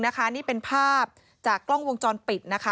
นี่เป็นภาพจากกล้องวงจรปิดนะคะ